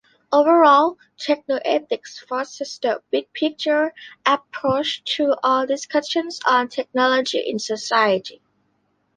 Overall, technoethics forces the "big picture" approach to all discussions on technology in society.